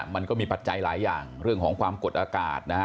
มันก็มีปัจจัยหลายอย่างเรื่องของความกดอากาศนะฮะ